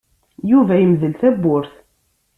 Yuba yemdel tawwurt.